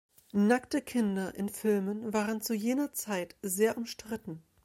Nackte Kinder in Filmen waren zu jener Zeit sehr umstritten.